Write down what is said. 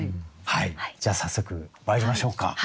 じゃあ早速まいりましょうか。